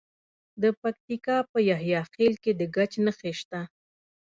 د پکتیکا په یحیی خیل کې د ګچ نښې شته.